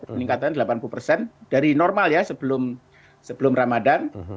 peningkatan delapan puluh persen dari normal ya sebelum ramadan